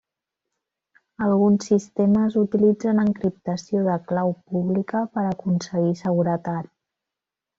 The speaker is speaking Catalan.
Alguns sistemes utilitzen encriptació de clau pública per a aconseguir seguretat.